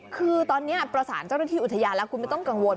คือตอนนี้ประสานเจ้าหน้าที่อุทยานแล้วคุณไม่ต้องกังวล